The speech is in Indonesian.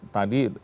tadi idi juga ada